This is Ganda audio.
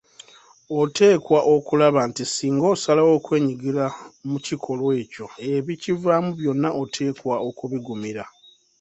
Oteekwa okulaba nti singa osalawo okwenyigira mu kikolwa ekyo ebikivaamu byonna oteekwa okubigumira.